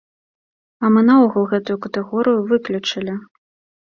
А мы наогул гэтую катэгорыю выключылі!